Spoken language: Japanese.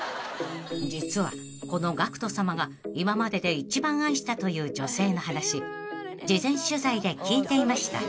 ［実はこのＧＡＣＫＴさまが今までで一番愛したという女性の話事前取材で聞いていました］